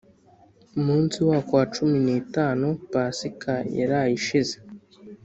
Munsi wako wa cumi n itanu pasika yaraye ishize